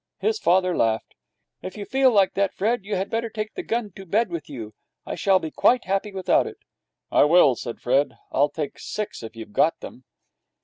His father laughed. 'If you feel like that, Fred, you had better take the gun to bed with you. I shall be quite happy without it.' 'I will,' said Fred. 'I'll take six if you've got them.'